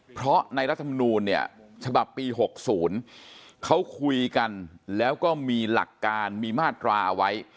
เพราะในรัฐมนูลเนี่ยฉบับปี๖๐เขาคุยกันแล้วก็มีหลักการมีมาตราเอาไว้